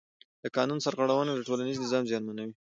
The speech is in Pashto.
د قانون سرغړونه د ټولنیز نظم زیانمنوي